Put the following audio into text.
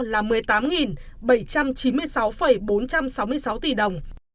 là một mươi tám bảy trăm chín mươi sáu bốn trăm sáu mươi sáu tỷ đồng